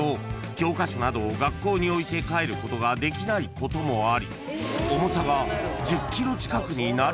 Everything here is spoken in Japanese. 教科書などを学校に置いて帰ることができないこともあり重さが］